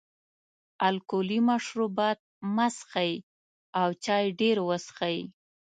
الکولي مشروبات مه څښئ او چای ډېر وڅښئ.